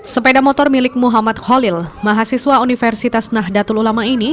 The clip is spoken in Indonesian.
sepeda motor milik muhammad khalil mahasiswa universitas nahdlatul ulama ini